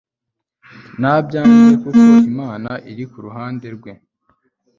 Nabyange Kuk Imana Irikuruhande Rwe